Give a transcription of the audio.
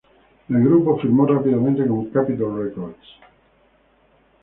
El grupo firmó rápidamente con "Capitol Records".